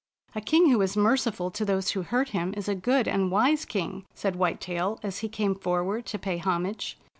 " A king who is merciful to those who hurt him is a good and wise king," said White Tail, as he came forward to pay homage.